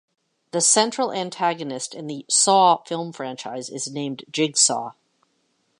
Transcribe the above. The central antagonist in the "Saw" film franchise is named Jigsaw.